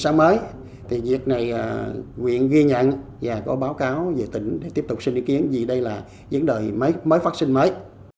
ban quản lý dự án huyện ghi nhận và có báo cáo về tỉnh để tiếp tục xin ý kiến vì đây là những đời mới phát sinh mới